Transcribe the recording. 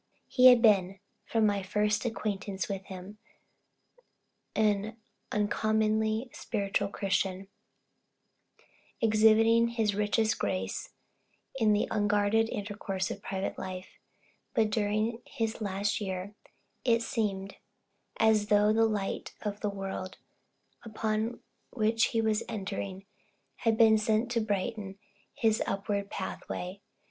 He had been, from my first acquaintance with him, an uncommonly spiritual Christian, exhibiting his richest graces in the unguarded intercourse of private life; but during his last year, it seemed as though the light of the world on which he was entering, had been sent to brighten his upward pathway.